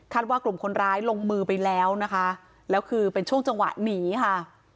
ว่ากลุ่มคนร้ายลงมือไปแล้วนะคะแล้วคือเป็นช่วงจังหวะหนีค่ะ